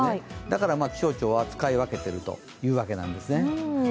だから気象庁は使い分けているというわけなんですね。